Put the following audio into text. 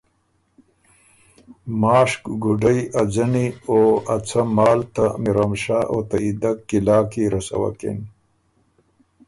ماشک ګُډئ ا ځنی او ا څۀ مال ته میروم شاه او ته عیدک قلعه کی رسوکِن۔